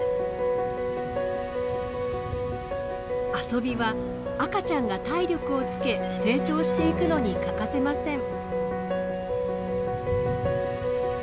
遊びは赤ちゃんが体力をつけ成長していくのに欠かせません。